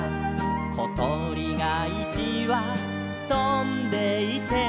「ことりがいちわとんでいて」